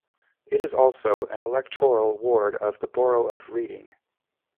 It is also an electoral ward of the Borough of Reading.